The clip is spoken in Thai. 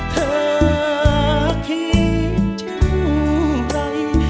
เธอคิดจะไหล